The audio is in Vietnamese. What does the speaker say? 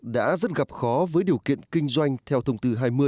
đã rất gặp khó với điều kiện kinh doanh theo thông tư hai mươi